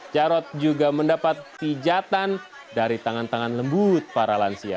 jarod juga mendapat pijatan dari tangan tangan lembut para lansia